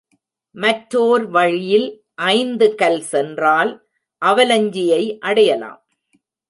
மற்றோர் வழியில் ஐந்து கல் சென்றால் அவலஞ்சியை அடையலாம்.